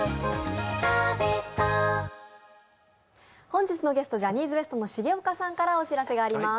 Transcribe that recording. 本日のゲスト、ジャニーズＷＥＳＴの重岡さんからお知らせがあります。